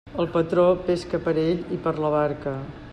El patró pesca per ell i per la barca.